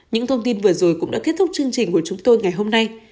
những thông tin vừa rồi cũng đã kết thúc chương trình của chúng tôi ngày hôm nay